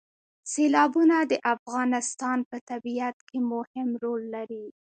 سیلابونه د افغانستان په طبیعت کې مهم رول لري.